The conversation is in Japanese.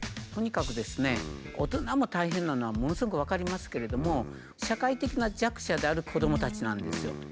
とにかくですね大人も大変なのはものすごく分かりますけれども社会的な弱者である子どもたちなんですよ。